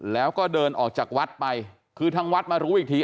แล้วก็เดินออกจากวัดไปคือทางวัดมารู้อีกที